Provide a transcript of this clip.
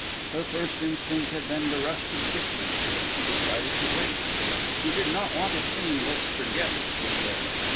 Her first instinct had been to rush to the kitchen; but she decided to wait. She did not want a scene whilst her guests were there.